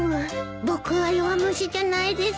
僕は弱虫じゃないです。